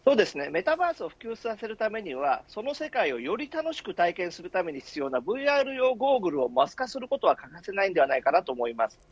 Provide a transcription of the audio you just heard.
メタバースを普及させるためにはその世界をより楽しく体験するために必要なＶＲ用ゴーグルをマス化することが欠かせないと思います。